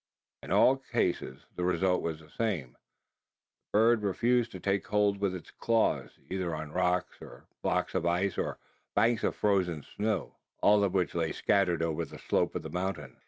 In all cases, the result was the same. The bird refused to take hold with its claws either on rocks, or blocks of ice, or banks of frozen snow all of which lay scatter over the slope of the mountain.